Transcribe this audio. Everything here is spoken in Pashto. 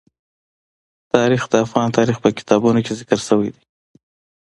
تاریخ د افغان تاریخ په کتابونو کې ذکر شوی دي.